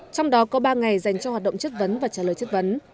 trong đó có ba ngày dành cho hoạt động chất vấn và trả lời chất vấn